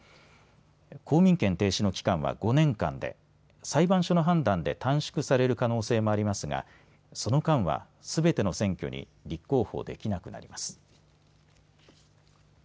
公民権停止の期間は５年間で裁判所の判断で短縮される可能性もありますがその間はすべての選挙に立候補できなくなります。